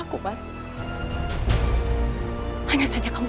cuman untuk kamu